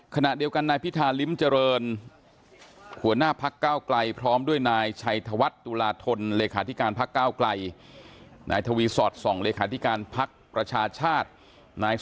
ขณะเดียวกันนายพิธาริมเจริญหัวหน้าพักก้าวกลัย